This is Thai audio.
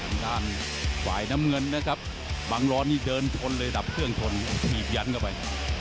ทางด้านฝ่ายน้ำเงินนะครับบังร้อนนี่เดินชนเลยดับเครื่องชนถีบยันเข้าไป